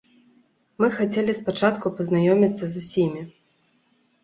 Мы хацелі спачатку пазнаёміцца з усімі.